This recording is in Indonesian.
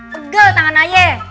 pegel tangan ayah